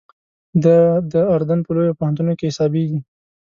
دا د اردن په لویو پوهنتونو کې حسابېږي.